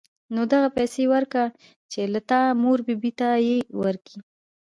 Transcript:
نو دغه پيسې ورکه چې د تا مور بي بي ته يې ورکي.